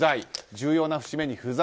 重要な節目に不在。